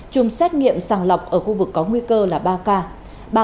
chung xét nghiệm sàng lọc ở khu vực có nguy cơ là ba ca